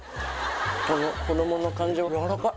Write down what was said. この衣の感じがやわらかい